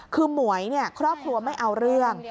คือหมวยครอบครัวไม่เอาเรื่อง